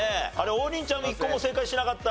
王林ちゃん一個も正解しなかった。